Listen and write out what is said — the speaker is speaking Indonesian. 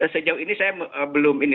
sejauh ini saya belum ini